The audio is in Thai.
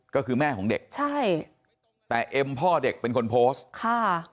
ก็คือแม่ของเด็กใช่แต่เอ็มพ่อเด็กเป็นคนโพสต์ค่ะ